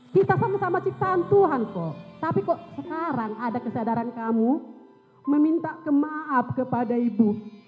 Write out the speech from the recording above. kita sama sama ciptaan tuhan kok tapi kok sekarang ada kesadaran kamu meminta kemaaf kepada ibu